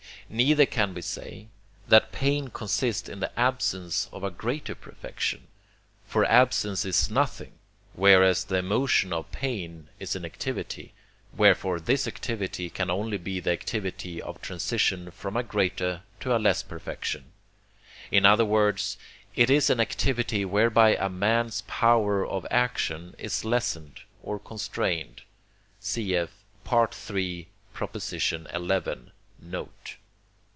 Neither can we say, that pain consists in the absence of a greater perfection. For absence is nothing, whereas the emotion of pain is an activity; wherefore this activity can only be the activity of transition from a greater to a less perfection in other words, it is an activity whereby a man's power of action is lessened or constrained (cf. III. xi. note).